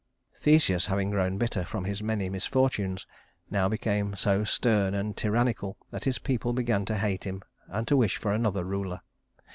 Theseus, having grown bitter from his many misfortunes, now became so stern and tyrannical that his people began to hate him and to wish for another ruler.